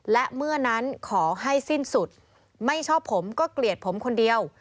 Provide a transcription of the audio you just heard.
และเมื่อนั้นขอให้สิ้นสุดไม่ชอบผมก็เกลียดผมคนเดียว